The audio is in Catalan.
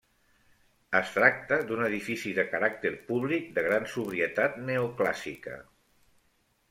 Es tracta d'un edifici de caràcter públic de gran sobrietat neoclàssica.